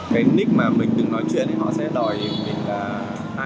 cái nick mà mình từng nói chuyện thì họ sẽ đòi mình là